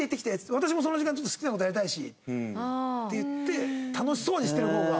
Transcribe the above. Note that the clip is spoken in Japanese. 私もその時間ちょっと好きな事やりたいし」って言って楽しそうにしてる方が。